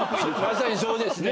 まさにそうですね。